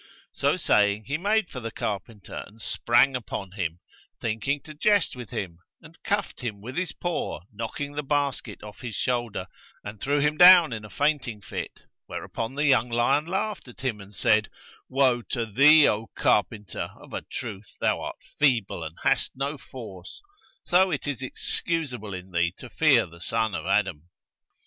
So saying he made for the carpenter and sprang upon him, thinking to jest with him, and cuffed him with his paw knocking the basket off his shoulder; and threw him down in a fainting fit, whereupon the young lion laughed at him and said, 'Woe to thee, O carpenter, of a truth thou art feeble and hast no force; so it is excusable in thee to fear the son of Adam.'